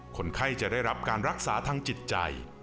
คนไข้จะได้รับการรักษาทางจิตใจ